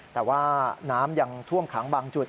แต่ว่าน้ำยังท่วมขังบางจุด